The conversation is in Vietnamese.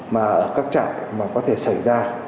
mà ở các trại mà có thể xảy ra